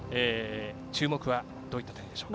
注目はどういった点ですか。